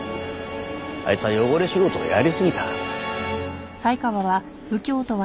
あいつは汚れ仕事をやり過ぎた。